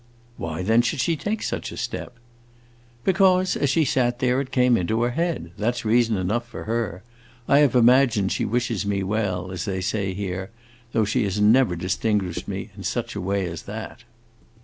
"Why, then, should she take such a step?" "Because, as she sat there, it came into her head. That 's reason enough for her. I have imagined she wishes me well, as they say here though she has never distinguished me in such a way as that!"